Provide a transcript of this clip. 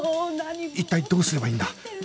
一体どうすればいいんだ？